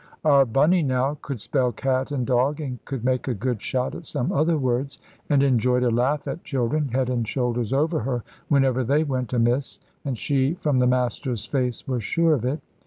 Our Bunny now could spell "cat" and "dog," and could make a good shot at some other words, and enjoyed a laugh at children (head and shoulders over her) whenever they went amiss, and she from the master's face was sure of it.